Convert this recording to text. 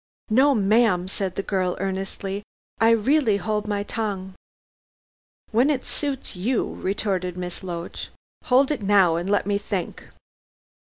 "No, ma'am," said the girl earnestly. "I really hold my tongue." "When it suits you," retorted Miss Loach. "Hold it now and let me think!"